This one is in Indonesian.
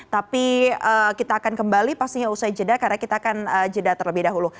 tapi kita akan kembali pastinya usai jeda karena kita akan jeda terlebih dahulu